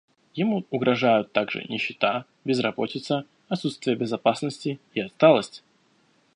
Ему угрожают также нищета, безработица, отсутствие безопасности и отсталость.